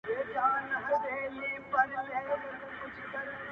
مخامخ درته مجبور غوندې سړی دی